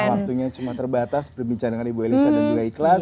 waktunya cuma terbatas berbincang dengan ibu elisa dan juga ikhlas